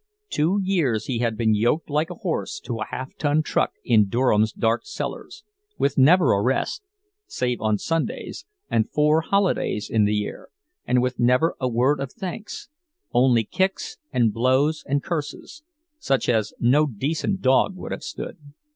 Two years he had been yoked like a horse to a half ton truck in Durham's dark cellars, with never a rest, save on Sundays and four holidays in the year, and with never a word of thanks—only kicks and blows and curses, such as no decent dog would have stood.